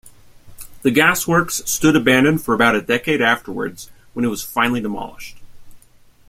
The gasworks stood abandoned for about a decade afterwards, when it was finally demolished.